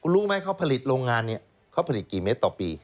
รู้ไหมเขาผลิตโรงงานเนี่ยเขาผลิตกี่เมตรต่อปี